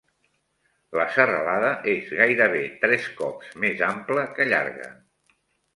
La serralada és gairebé tres cops més ampla que llarga.